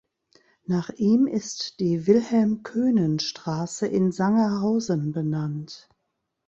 Nach ihm ist die "Wilhelm-Koenen-Straße" in Sangerhausen benannt.